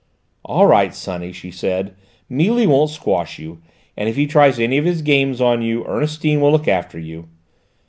"All right, sonny," she said, "Mealy won't squash you; and if he tries any of his games on you, Ernestine will look after you."